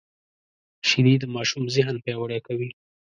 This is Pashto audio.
شیدې د ماشوم ذهن پیاوړی کوي